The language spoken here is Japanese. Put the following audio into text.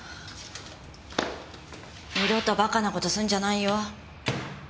二度と馬鹿な事すんじゃないよ。